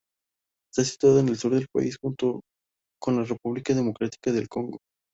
Está situada en el sur del país, junto con la República Democrática del Congo.